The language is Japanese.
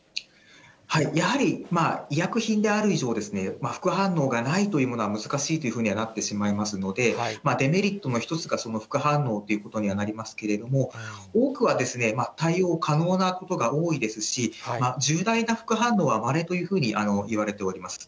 やはり医薬品である以上、副反応がないというものは難しいというふうにはなってしまいますので、デメリットの一つがその副反応ということにはなりますけれども、多くは対応可能なことが多いですし、重大な副反応はまれというふうにいわれております。